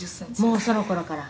「もうその頃から？」